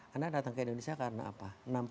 karena datang ke indonesia karena apa